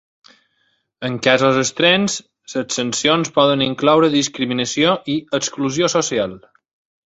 En casos extrems les sancions poden incloure discriminació i exclusió social.